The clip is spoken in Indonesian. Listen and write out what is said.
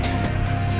berjuang untuk apa